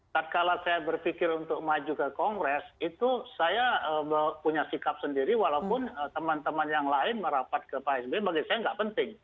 setelah saya berpikir untuk maju ke kongres itu saya punya sikap sendiri walaupun teman teman yang lain merapat ke psb bagi saya tidak penting